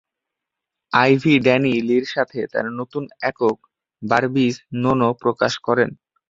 Ivy Danny লির সাথে তার নতুন একক "বারবিজ নো নো" প্রকাশ করেন।